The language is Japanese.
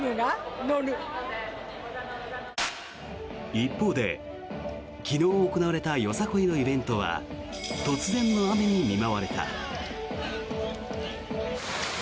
一方で昨日行われたよさこいのイベントは突然の雨に見舞われた。